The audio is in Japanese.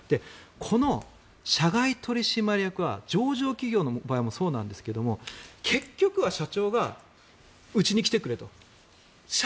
この社外取締役は上場企業の場合もそうですが結局は社長がうちに来てくれと。